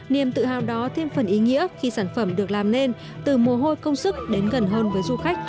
niềm tự hào đó thêm phần ý nghĩa khi sản phẩm được làm nên từ mồ hôi công sức đến gần hơn với du khách